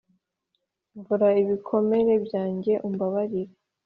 Mvura ibikomere byanjye umbabarire